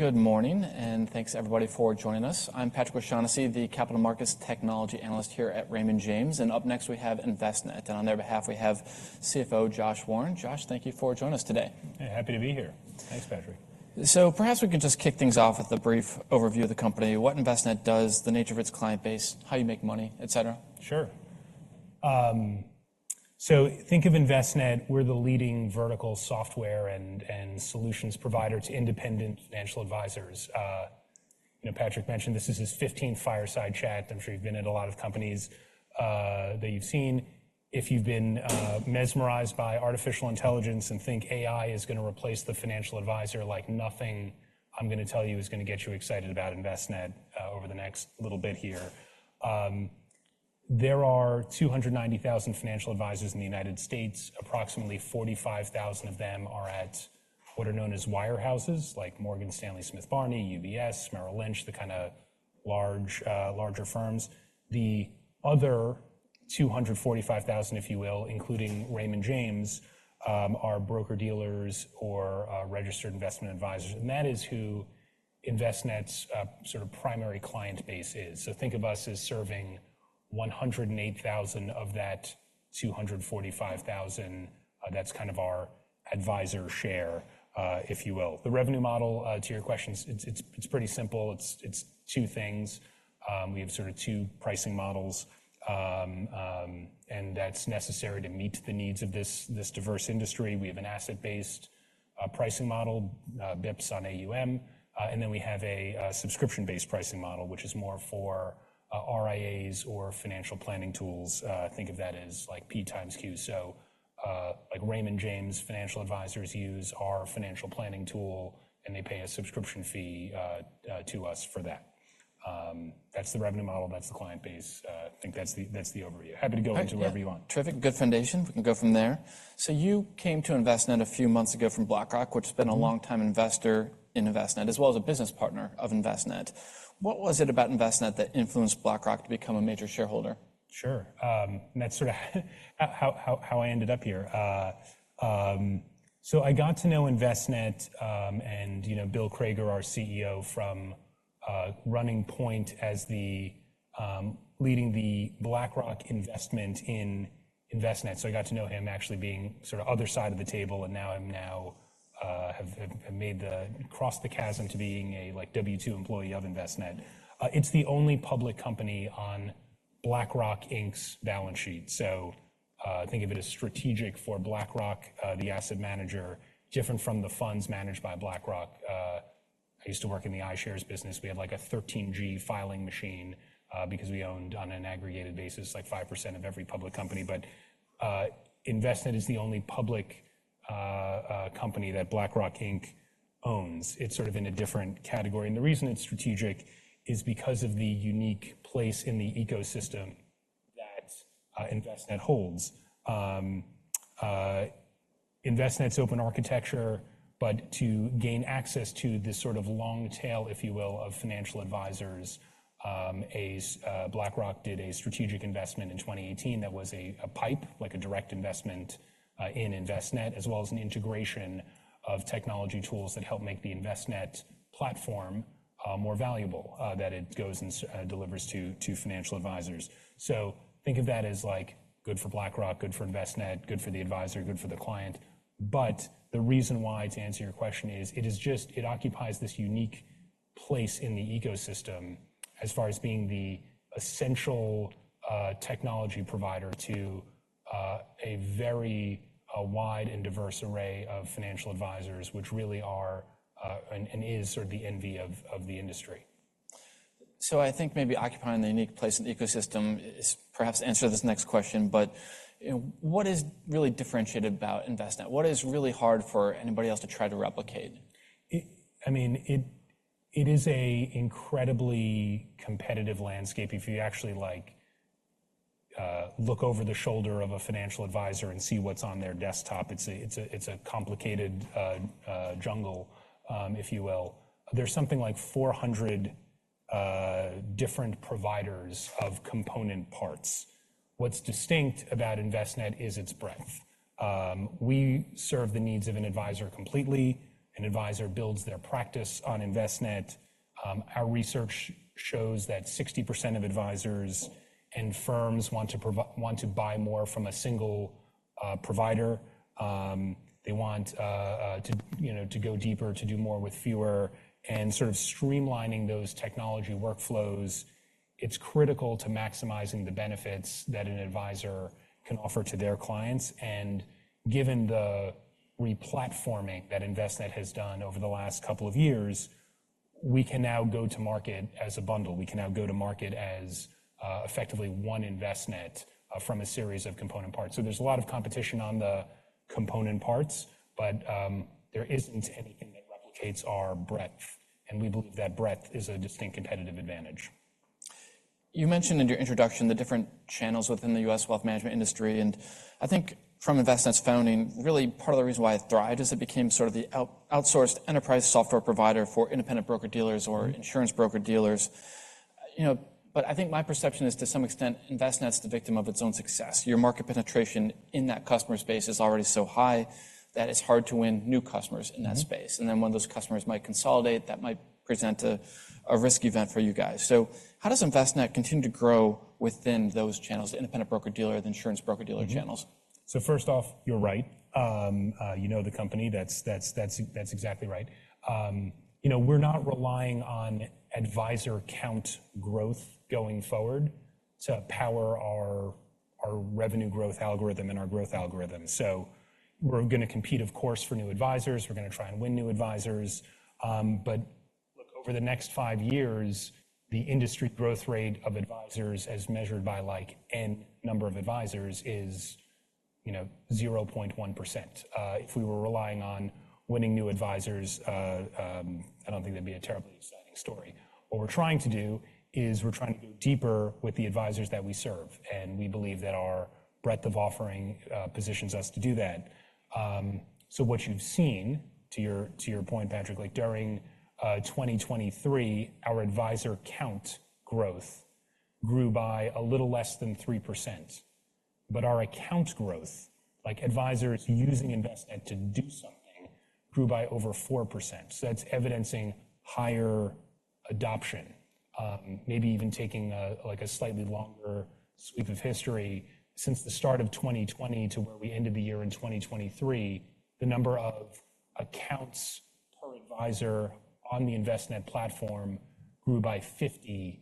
Good morning, and thanks everybody for joining us. I'm Patrick O'Shaughnessy, the capital markets technology analyst here at Raymond James, and up next, we have Envestnet. On their behalf, we have CFO Josh Warren. Josh, thank you for joining us today. Hey, happy to be here. Thanks, Patrick. Perhaps we could just kick things off with a brief overview of the company, what Envestnet does, the nature of its client base, how you make money, et cetera. Sure. So think of Envestnet, we're the leading vertical software and solutions provider to independent financial advisors. You know, Patrick mentioned this is his 15th fireside chat. I'm sure you've been at a lot of companies that you've seen. If you've been mesmerized by artificial intelligence and think AI is going to replace the financial advisor, like nothing I'm going to tell you is going to get you excited about Envestnet over the next little bit here. There are 290,000 financial advisors in the United States. Approximately 45,000 of them are at what are known as wirehouses, like Morgan Stanley Smith Barney, UBS, Merrill Lynch, the kind of large, larger firms. The other 245,000, if you will, including Raymond James, are broker-dealers or, registered investment advisors, and that is who Envestnet's, sort of primary client base is. So think of us as serving 108,000 of that 245,000. That's kind of our advisor share, if you will. The revenue model, to your question, it's pretty simple. It's two things. We have sort of two pricing models, and that's necessary to meet the needs of this diverse industry. We have an asset-based, pricing model, basis points on AUM, and then we have a, subscription-based pricing model, which is more for, RIAs or financial planning tools. Think of that as like P times Q. So, like Raymond James Financial Advisors use our financial planning tool, and they pay a subscription fee to us for that. That's the revenue model, that's the client base. I think that's the, that's the overview. Happy to go into wherever you want. Terrific. Good foundation. We can go from there. You came to Envestnet a few months ago from BlackRock, which has been a long-time investor in Envestnet, as well as a business partner of Envestnet. What was it about Envestnet that influenced BlackRock to become a major shareholder? Sure. That's sort of how I ended up here. So I got to know Envestnet, and, you know, Bill Crager, our CEO, from running point as the lead on the BlackRock investment in Envestnet. So I got to know him actually being sort of on the other side of the table, and now I have crossed the chasm to being a, like, W-2 employee of Envestnet. It's the only public company on BlackRock, Inc.'s balance sheet. So, think of it as strategic for BlackRock, the asset manager, different from the funds managed by BlackRock. I used to work in the iShares business. We had, like, a 13G filing machine, because we owned, on an aggregated basis, like, 5% of every public company. But, Envestnet is the only public company that BlackRock, Inc. owns. It's sort of in a different category. And the reason it's strategic is because of the unique place in the ecosystem that Envestnet holds. Envestnet's open architecture, but to gain access to this sort of long tail, if you will, of financial advisors, BlackRock did a strategic investment in 2018. That was a PIPE, like a direct investment in Envestnet, as well as an integration of technology tools that help make the Envestnet Platform more valuable, that it goes and delivers to financial advisors. So think of that as, like, good for BlackRock, good for Envestnet, good for the advisor, good for the client. But the reason why, to answer your question, is it is just it occupies this unique place in the ecosystem as far as being the essential technology provider to a very wide and diverse array of financial advisors, which really are and is sort of the envy of the industry. I think maybe occupying the unique place in the ecosystem is perhaps answer this next question, but, you know, what is really differentiated about Envestnet? What is really hard for anybody else to try to replicate it? I mean, it is a incredibly competitive landscape. If you actually, like, look over the shoulder of a financial advisor and see what's on their desktop, it's a complicated jungle, if you will. There's something like 400 different providers of component parts. What's distinct about Envestnet is its breadth. We serve the needs of an advisor completely. An advisor builds their practice on Envestnet. Our research shows that 60% of advisors and firms want to buy more from a single provider. They want, you know, to go deeper, to do more with fewer and sort of streamlining those technology workflows. It's critical to maximizing the benefits that an advisor can offer to their clients, and given the replatforming that Envestnet has done over the last couple of years, we can now go to market as a bundle. We can now go to market as, effectively one Envestnet, from a series of component parts. So there's a lot of competition on the component parts, but, there isn't anything that replicates our breadth, and we believe that breadth is a distinct competitive advantage. You mentioned in your introduction the different channels within the U.S. wealth management industry, and I think from Envestnet's founding, really part of the reason why it thrived is it became sort of the outsourced enterprise software provider for independent broker-dealers or insurance broker-dealers. You know, but I think my perception is, to some extent, Envestnet's the victim of its own success. Your market penetration in that customer space is already so high that it's hard to win new customers in that space. Mm-hmm. Then when those customers might consolidate, that might present a risk event for you guys. So how does Envestnet continue to grow within those channels, the independent broker-dealer, the insurance broker-dealer channels? Mm-hmm. So first off, you're right. You know the company, that's exactly right. You know, we're not relying on advisor count growth going forward to power our revenue growth algorithm and our growth algorithm. So we're gonna compete, of course, for new advisors. We're gonna try and win new advisors. But look, over the next five years, the industry growth rate of advisors, as measured by like N number of advisors, is, you know, 0.1%. If we were relying on winning new advisors, I don't think that'd be a terribly exciting story. What we're trying to do is we're trying to go deeper with the advisors that we serve, and we believe that our breadth of offering positions us to do that. So what you've seen, to your, to your point, Patrick, like during 2023, our advisor count growth grew by a little less than 3%, but our account growth, like advisors using Envestnet to do something, grew by over 4%. So that's evidencing higher adoption. Maybe even taking a, like a slightly longer sweep of history, since the start of 2020 to where we ended the year in 2023, the number of accounts per advisor on the Envestnet platform grew by 50%.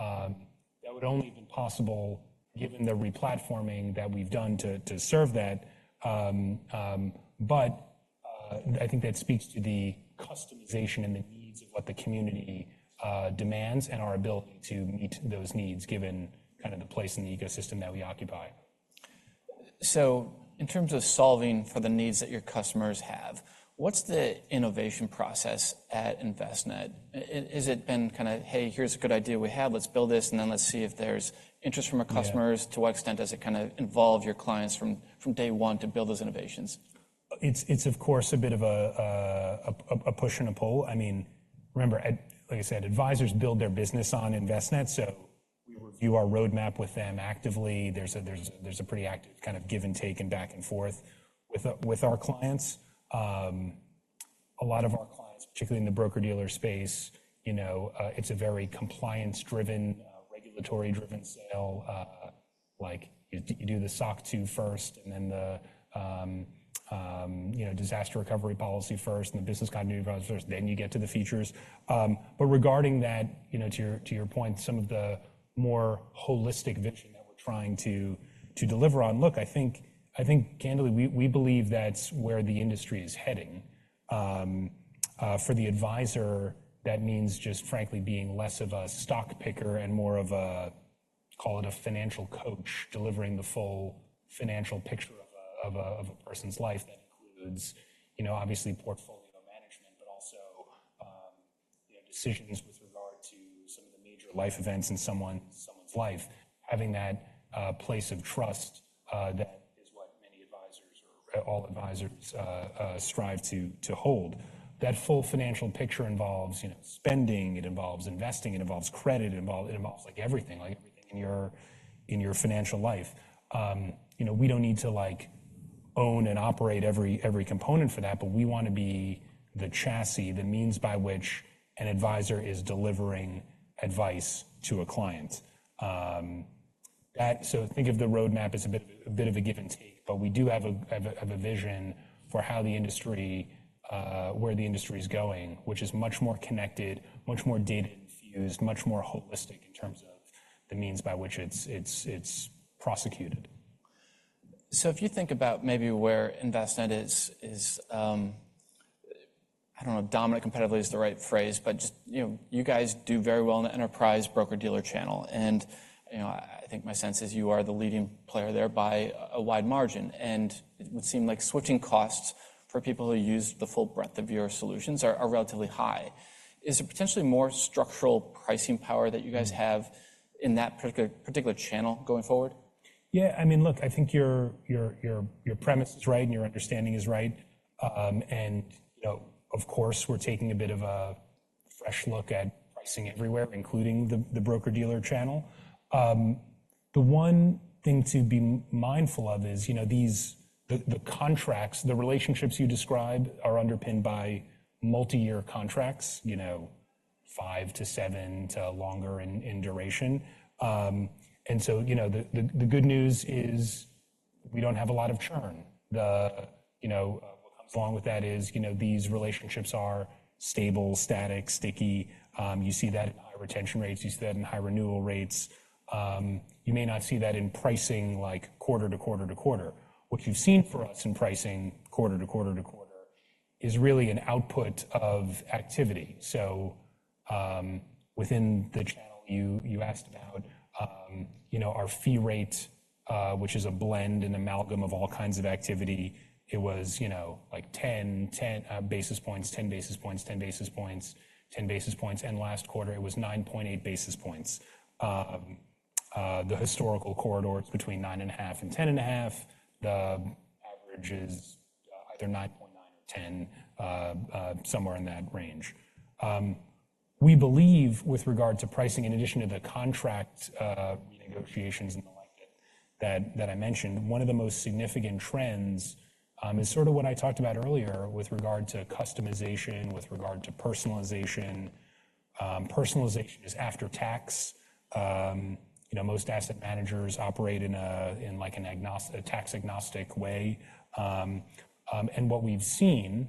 That would only have been possible given the replatforming that we've done to serve that. But I think that speaks to the customization and the needs of what the community demands and our ability to meet those needs, given kind of the place in the ecosystem that we occupy. So in terms of solving for the needs that your customers have, what's the innovation process at Envestnet? Has it been kind of, "Hey, here's a good idea we have. Let's build this, and then let's see if there's interest from our customers? Yeah. To what extent does it kind of involve your clients from day one to build those innovations? It's, of course, a bit of a push and a pull. I mean, remember, like I said, advisors build their business on Envestnet, so we review our roadmap with them actively. There's a pretty active kind of give and take and back and forth with our clients. A lot of our clients, particularly in the broker-dealer space, you know, it's a very compliance-driven, regulatory-driven sale. Like, you do the SOC 2 first, and then the disaster recovery policy first and the business continuity policy first, then you get to the features. But regarding that, you know, to your point, some of the more holistic vision that we're trying to deliver on. Look, I think candidly, we believe that's where the industry is heading. For the advisor, that means just frankly being less of a stock picker and more of a, call it a financial coach, delivering the full financial picture of a person's life. That includes, you know, obviously portfolio management, but also, you know, decisions with regard to some of the major life events in someone's life. Having that place of trust, that is what many advisors or all advisors strive to hold. That full financial picture involves, you know, spending, it involves investing, it involves credit, it involves like everything, like everything in your financial life. You know, we don't need to like own and operate every component for that, but we want to be the chassis, the means by which an advisor is delivering advice to a client. So think of the roadmap as a bit of a give and take, but we do have a vision for where the industry is going, which is much more connected, much more data infused, much more holistic in terms of the means by which it's prosecuted. So if you think about maybe where Envestnet is, I don't know if dominant competitively is the right phrase, but just, you know, you guys do very well in the enterprise broker-dealer channel. And, you know, I think my sense is you are the leading player there by a wide margin, and it would seem like switching costs for people who use the full breadth of your solutions are relatively high. Is there potentially more structural pricing power that you guys have in that particular channel going forward? Yeah, I mean, look, I think your premise is right and your understanding is right. And, you know, of course, we're taking a bit of a fresh look at pricing everywhere, including the broker-dealer channel. The one thing to be mindful of is, you know, these contracts, the relationships you described are underpinned by multi-year contracts, you know, five to seven to longer in duration. And so, you know, the good news is we don't have a lot of churn. You know, what comes along with that is, you know, these relationships are stable, static, sticky. You see that in high retention rates, you see that in high renewal rates. You may not see that in pricing like quarter to quarter to quarter. What you've seen for us in pricing quarter to quarter to quarter is really an output of activity. So, within the channel, you asked about, you know, our fee rate, which is a blend, an amalgam of all kinds of activity. It was, you know, like 10, 10 basis points, 10 basis points, 10 basis points, 10 basis points, and last quarter it was 9.8 basis points. The historical corridor, it's between 9.5 and 10.5. The average is either 9.9 or 10, somewhere in that range. We believe with regard to pricing, in addition to the contract negotiations and the like that I mentioned, one of the most significant trends is sort of what I talked about earlier with regard to customization, with regard to personalization. Personalization is after tax. You know, most asset managers operate in a, in like a tax agnostic way. And what we've seen,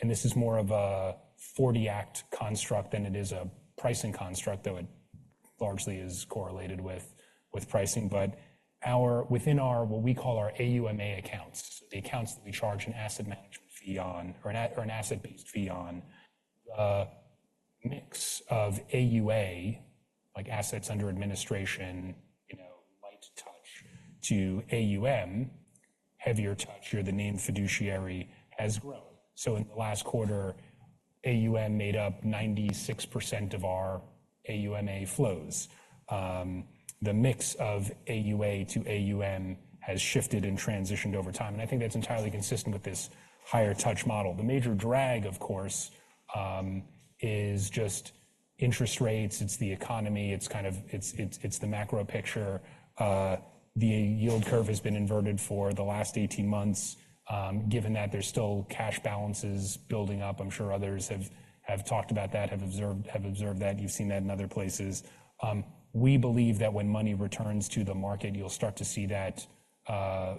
and this is more of a 40 Act construct than it is a pricing construct, though it largely is correlated with, with pricing. But our, within our, what we call our AUMA accounts, the accounts that we charge an asset management fee on or an, or an asset-based fee on, the mix of AUA, like assets under administration, you know, light touch to AUM, heavier touch, or the named fiduciary has grown. So in the last quarter, AUM made up 96% of our AUMA flows. The mix of AUA to AUM has shifted and transitioned over time, and I think that's entirely consistent with this higher touch model. The major drag, of course, is just interest rates. It's the economy, it's kind of the macro picture. The yield curve has been inverted for the last 18 months. Given that there's still cash balances building up, I'm sure others have talked about that, observed that. You've seen that in other places. We believe that when money returns to the market, you'll start to see that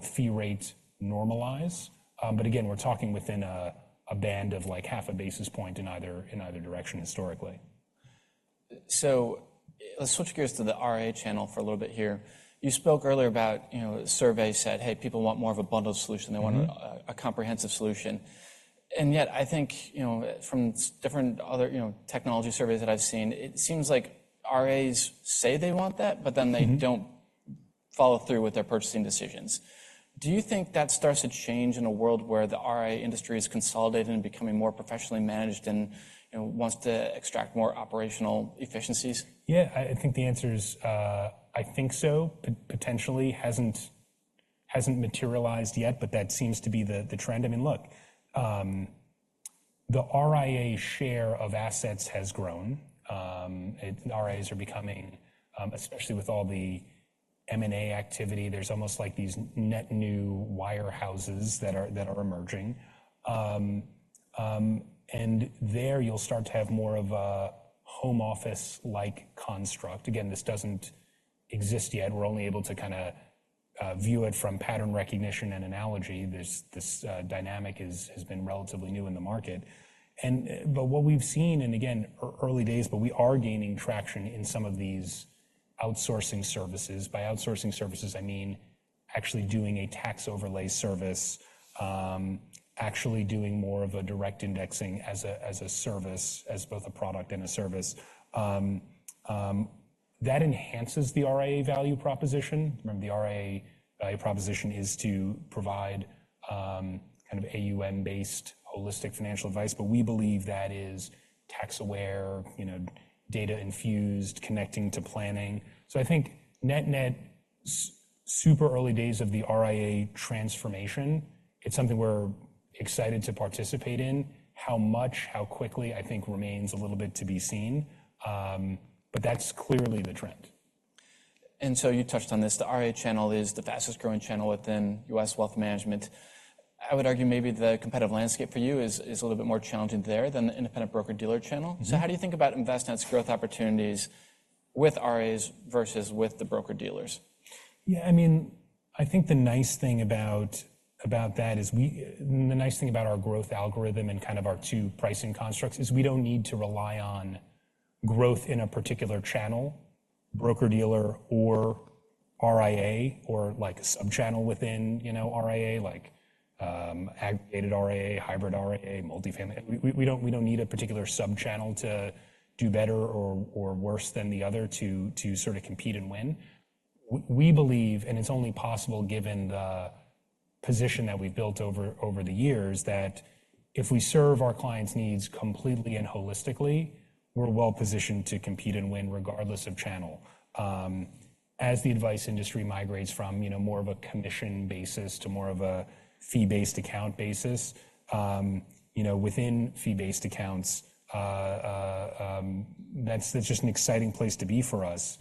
fee rate normalize. But again, we're talking within a band of like half a basis point in either direction historically. Let's switch gears to the RIA channel for a little bit here. You spoke earlier about, you know, a survey said, "Hey, people want more of a bundled solution. Mm-hmm. They want a comprehensive solution." And yet, I think, you know, from different other, you know, technology surveys that I've seen, it seems like RIAs say they want that- Mm-hmm. But then they don't follow through with their purchasing decisions. Do you think that starts to change in a world where the RIA industry is consolidating and becoming more professionally managed and, you know, wants to extract more operational efficiencies? Yeah, I think the answer is, I think so. Potentially hasn't materialized yet, but that seems to be the trend. I mean, look, the RIA share of assets has grown. RIAs are becoming, especially with all the M&A activity, there's almost like these net new wirehouses that are emerging. And there you'll start to have more of a home office-like construct. Again, this doesn't exist yet. We're only able to kinda view it from pattern recognition and analogy. There's this dynamic has been relatively new in the market. But what we've seen, and again, early days, but we are gaining traction in some of these outsourcing services. By outsourcing services, I mean actually doing a tax overlay service, actually doing more of a direct indexing as a service, as both a product and a service. That enhances the RIA value proposition. Remember, the RIA value proposition is to provide kind of AUM-based holistic financial advice, but we believe that is tax-aware, you know, data-infused, connecting to planning. So I think net-net, super early days of the RIA transformation, it's something we're excited to participate in. How much, how quickly, I think remains a little bit to be seen, but that's clearly the trend. And so you touched on this. The RIA channel is the fastest-growing channel within U.S. wealth management. I would argue maybe the competitive landscape for you is, is a little bit more challenging there than the independent broker-dealer channel. Mm-hmm. How do you think about Envestnet's growth opportunities with RIAs versus with the broker-dealers? Yeah, I mean, I think the nice thing about our growth algorithm and kind of our two pricing constructs is we don't need to rely on growth in a particular channel, broker-dealer or RIA, or like a subchannel within, you know, RIA, like, aggregated RIA, hybrid RIA, multifamily. We don't need a particular subchannel to do better or worse than the other to sort of compete and win. We believe, and it's only possible given the position that we've built over the years, that if we serve our clients' needs completely and holistically, we're well positioned to compete and win, regardless of channel. As the advice industry migrates from, you know, more of a commission basis to more of a fee-based account basis, you know, within fee-based accounts, that's just an exciting place to be for us.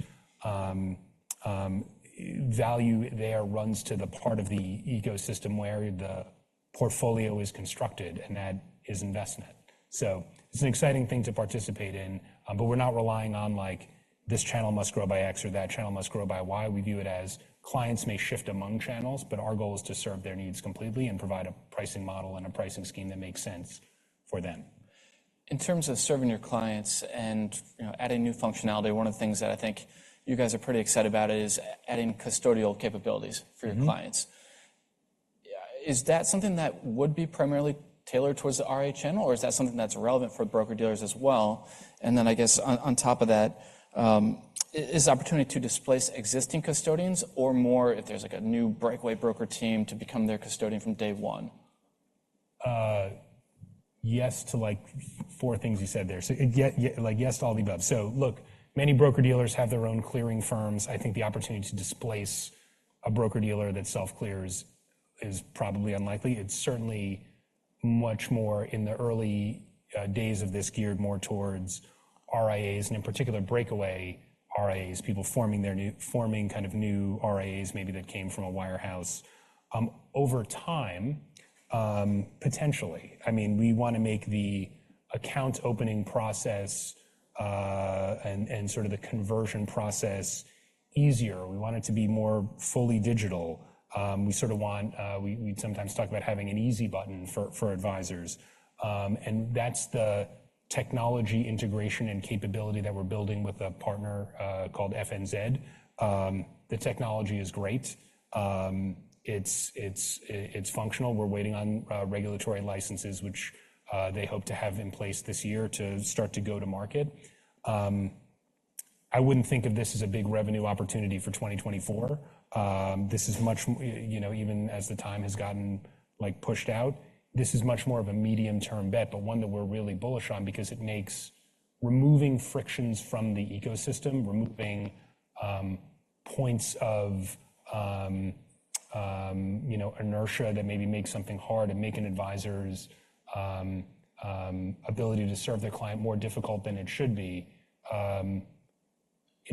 Value there runs to the part of the ecosystem where the portfolio is constructed, and that is investment. So it's an exciting thing to participate in, but we're not relying on, like, this channel must grow by X or that channel must grow by Y. We view it as clients may shift among channels, but our goal is to serve their needs completely and provide a pricing model and a pricing scheme that makes sense for them. In terms of serving your clients and, you know, adding new functionality, one of the things that I think you guys are pretty excited about is adding custodial capabilities for your clients. Mm-hmm. Is that something that would be primarily tailored towards the RIA channel, or is that something that's relevant for broker-dealers as well? And then I guess on, on top of that, is the opportunity to displace existing custodians or more if there's, like, a new breakaway broker team to become their custodian from day one? Yes to, like, four things you said there. So, yeah, yeah, like, yes to all the above. So look, many broker-dealers have their own clearing firms. I think the opportunity to displace a broker-dealer that self-clears is probably unlikely. It's certainly much more in the early days of this, geared more towards RIAs and in particular, breakaway RIAs, people forming kind of new RIAs, maybe that came from a wirehouse. Over time, potentially. I mean, we want to make the account opening process and sort of the conversion process easier. We want it to be more fully digital. We sort of want - we sometimes talk about having an easy button for advisors. And that's the technology integration and capability that we're building with a partner called FNZ. The technology is great. It's functional. We're waiting on regulatory licenses, which they hope to have in place this year to start to go to market. I wouldn't think of this as a big revenue opportunity for 2024. This is much, you know, even as the time has gotten, like, pushed out, this is much more of a medium-term bet, but one that we're really bullish on because it makes removing frictions from the ecosystem, removing points of, you know, inertia that maybe makes something hard and making advisors' ability to serve their client more difficult than it should be.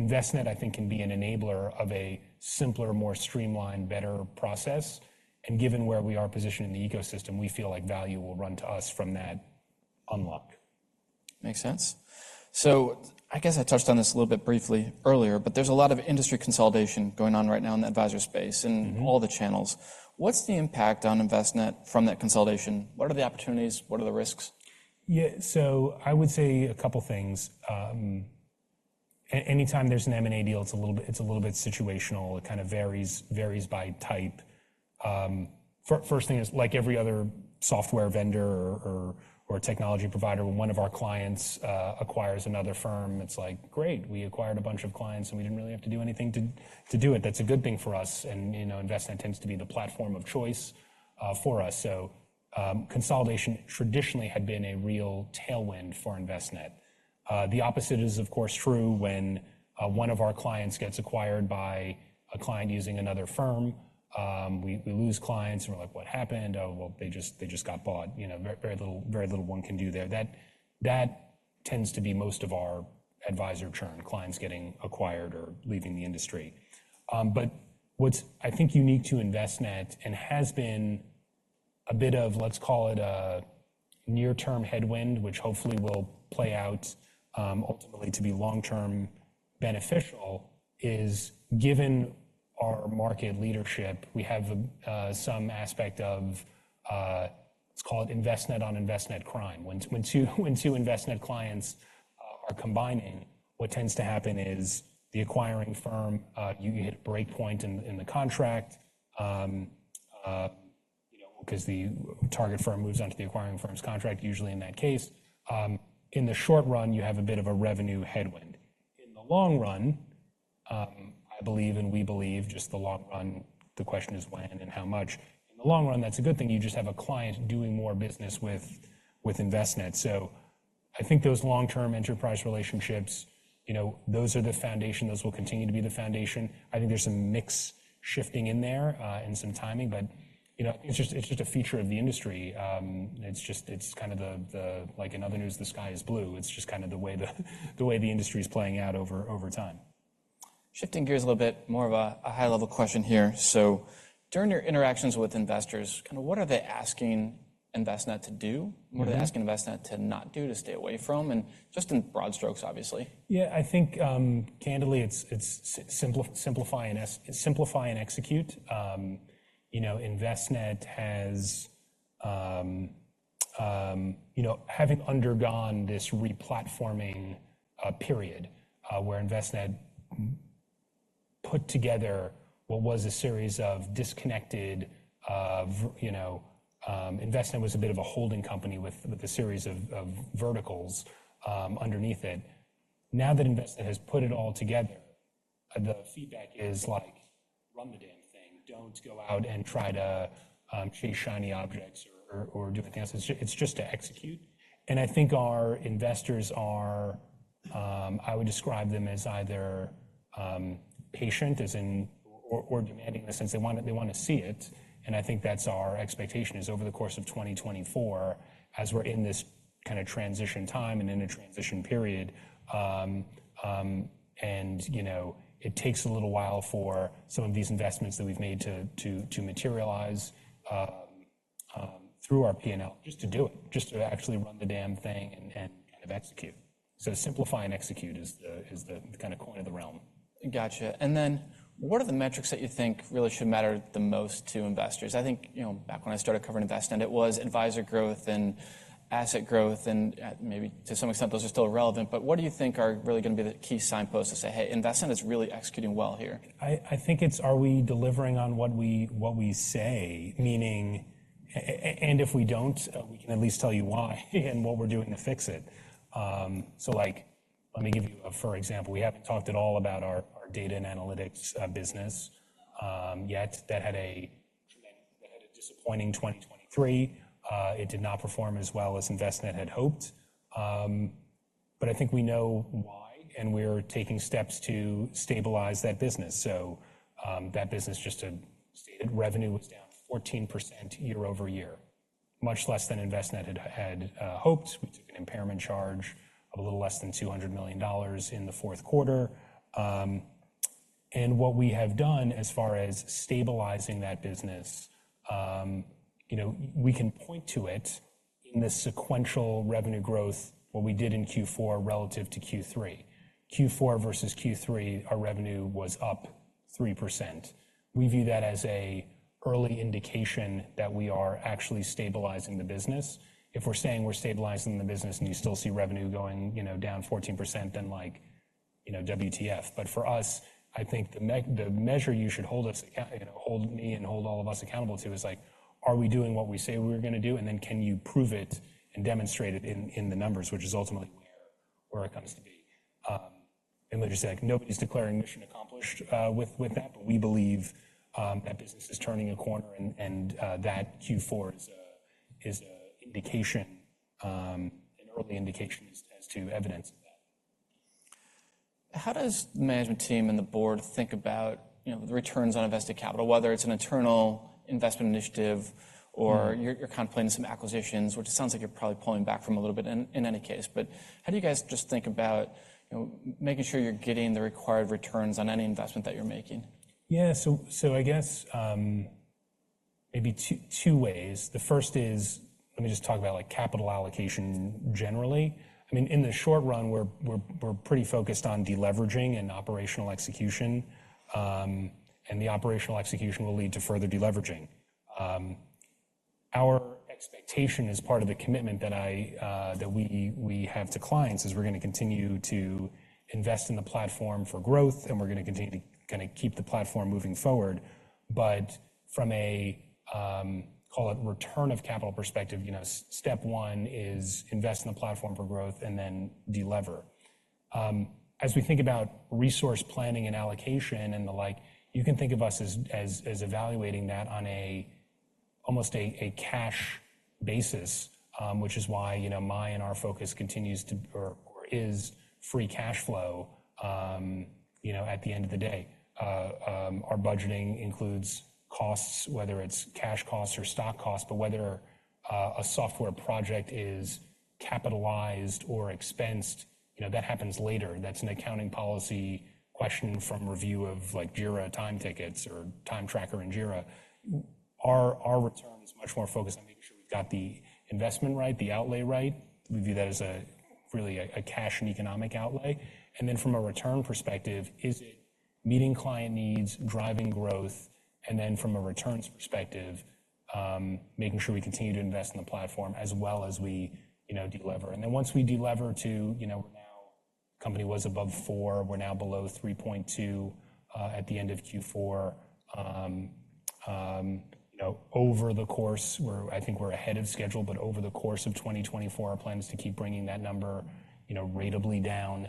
Envestnet, I think, can be an enabler of a simpler, more streamlined, better process, and given where we are positioned in the ecosystem, we feel like value will run to us from that unlock. Makes sense. So I guess I touched on this a little bit briefly earlier, but there's a lot of industry consolidation going on right now in the advisor space- Mm-hmm. and all the channels. What's the impact on Envestnet from that consolidation? What are the opportunities? What are the risks? Yeah, so I would say a couple things. Anytime there's an M&A deal, it's a little bit situational. It kind of varies by type. First thing is, like every other software vendor or technology provider, when one of our clients acquires another firm, it's like: Great, we acquired a bunch of clients, and we didn't really have to do anything to do it. That's a good thing for us, and, you know, Envestnet tends to be the platform of choice for us. So, consolidation traditionally had been a real tailwind for Envestnet. The opposite is, of course, true when one of our clients gets acquired by a client using another firm. We lose clients, and we're like: What happened? Oh, well, they just got bought. You know, very, very little, very little one can do there. That, that tends to be most of our advisor churn, clients getting acquired or leaving the industry. But what's, I think, unique to Envestnet and has been a bit of, let's call it a near-term headwind, which hopefully will play out, ultimately to be long-term beneficial, is given our market leadership, we have some aspect of... It's called Envestnet on Envestnet crime. When, when two, when two Envestnet clients are combining, what tends to happen is the acquiring firm, you hit a breakpoint in, in the contract, you know, 'cause the target firm moves on to the acquiring firm's contract, usually in that case. In the short run, you have a bit of a revenue headwind. In the long run, I believe, and we believe, just the long run, the question is when and how much. In the long run, that's a good thing. You just have a client doing more business with Envestnet. So I think those long-term enterprise relationships, you know, those are the foundation. Those will continue to be the foundation. I think there's some mix shifting in there, and some timing, but, you know, it's just, it's just a feature of the industry. It's just kind of the... Like in other news, the sky is blue. It's just kind of the way the industry is playing out over time. Shifting gears a little bit, more of a high-level question here. So during your interactions with investors, kind of what are they asking Envestnet to do? Mm-hmm. What are they asking Envestnet to not do, to stay away from? And just in broad strokes, obviously. Yeah, I think, candidly, it's simplify and execute. You know, Envestnet has, having undergone this replatforming period, where Envestnet put together what was a series of disconnected, you know. Envestnet was a bit of a holding company with a series of verticals underneath it. Now that Envestnet has put it all together, the feedback is like, run the damn thing. Don't go out and try to chase shiny objects or different things. It's just to execute, and I think our investors are, I would describe them as either, patient, as in... or demanding in the sense they want to, they want to see it, and I think that's our expectation over the course of 2024, as we're in this kind of transition time and in a transition period. And, you know, it takes a little while for some of these investments that we've made to materialize through our PNL. Just to do it, just to actually run the damn thing and execute. So simplify and execute is the kind of coin of the realm. Gotcha, and then what are the metrics that you think really should matter the most to investors? I think, you know, back when I started covering Envestnet, it was advisor growth and asset growth, and maybe to some extent, those are still relevant. But what do you think are really going to be the key signposts to say, "Hey, Envestnet is really executing well here? I think it's are we delivering on what we say, meaning... And if we don't, we can at least tell you why and what we're doing to fix it. Let me give you an example, we haven't talked at all about our data and analytics business yet that had a disappointing 2023. It did not perform as well as Envestnet had hoped. But I think we know why, and we're taking steps to stabilize that business. So, that business, just to state it, revenue was down 14% year-over-year, much less than Envestnet had hoped. We took an impairment charge of a little less than $200 million in the fourth quarter. And what we have done as far as stabilizing that business, you know, we can point to it in the sequential revenue growth, what we did in Q4 relative to Q3. Q4 versus Q3, our revenue was up 3%. We view that as an early indication that we are actually stabilizing the business. If we're saying we're stabilizing the business, and you still see revenue going, you know, down 14%, then, like, you know, WTF? But for us, I think the measure you should hold us accountable to is, like, are we doing what we say we're going to do? And then can you prove it and demonstrate it in the numbers, which is ultimately where it comes to be. And let me just say, like, nobody's declaring mission accomplished with that, but we believe that business is turning a corner, and that Q4 is an early indication as to evidence of that. How does the management team and the board think about, you know, the returns on invested capital, whether it's an internal investment initiative or? Mm. You're kind of planning some acquisitions, which it sounds like you're probably pulling back from a little bit, in any case. But how do you guys just think about, you know, making sure you're getting the required returns on any investment that you're making? Yeah, so I guess maybe two ways. The first is, let me just talk about, like, capital allocation generally. I mean, in the short run, we're pretty focused on deleveraging and operational execution, and the operational execution will lead to further deleveraging. Our expectation as part of the commitment that we have to clients is we're going to continue to invest in the platform for growth, and we're going to continue to kind of keep the platform moving forward. But from a call it return of capital perspective, you know, step one is invest in the platform for growth and then de-lever. As we think about resource planning and allocation and the like, you can think of us as evaluating that on almost a cash basis, which is why, you know, my and our focus continues to or is free cash flow, you know, at the end of the day. Our budgeting includes costs, whether it's cash costs or stock costs, but whether a software project is capitalized or expensed, you know, that happens later. That's an accounting policy question from review of, like, Jira time tickets or time tracker in Jira. Our return is much more focused on making sure we've got the investment right, the outlay right. We view that as really a cash and economic outlay. And then from a return perspective, is it meeting client needs, driving growth, and then from a returns perspective, making sure we continue to invest in the platform as well as we, you know, de-lever. And then once we de-lever to, you know, we're now company was above four, we're now below 3.2 at the end of Q4. You know, over the course, we're, I think we're ahead of schedule, but over the course of 2024, our plan is to keep bringing that number, you know, ratably down,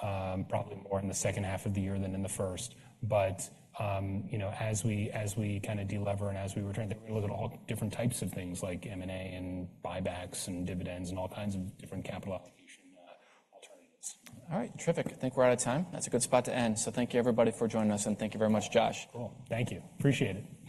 probably more in the second half of the year than in the first. But, you know, as we, as we kind of de-lever and as we return, then we're gonna look at all different types of things like M&A and buybacks and dividends and all kinds of different capital allocation alternatives. All right, terrific. I think we're out of time. That's a good spot to end. So thank you, everybody, for joining us, and thank you very much, Josh. Cool. Thank you. Appreciate it.